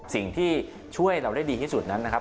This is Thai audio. สิ่งที่ช่วยเราได้ดีที่สุดนั้นนะครับ